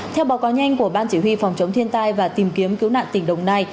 theo báo cáo nhanh của ban chỉ huy phòng chống thiên tai và tìm kiếm cứu nạn tỉnh đồng nai